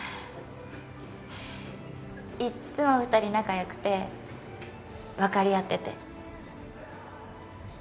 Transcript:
いっつも２人仲良くて分かり合ってて。